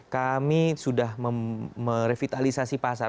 kami sudah merevitalisasi pasar